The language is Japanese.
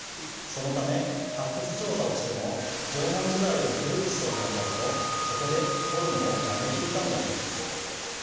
そのため発掘調査をしても縄文時代より古い地層に当たるとそこで掘るのをやめていたんだそうです。